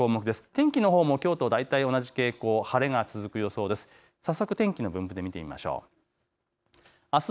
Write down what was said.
天気のほうもきょうと大体同じ傾向、晴れが続く予想です。